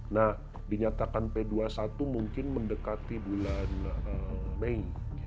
nah dinyatakan p dua puluh satu mungkin mendekati bulan mei